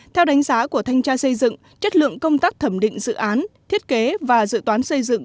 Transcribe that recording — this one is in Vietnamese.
theo đánh giá của thanh tra xây dựng chất lượng công tác thẩm định dự án thiết kế và dự toán xây dựng